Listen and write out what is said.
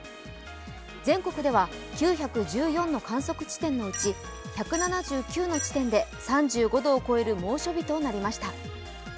全国では９１４の観測地点のうち１７９の地点で３５度を超える猛暑日となりました。